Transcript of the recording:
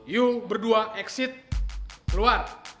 yuk berdua exit keluar